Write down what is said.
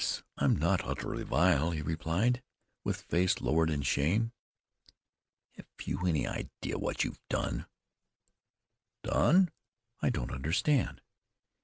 I'm not utterly vile," he replied, with face lowered in shame. "Have you any idea what you've done?" "Done? I don't understand."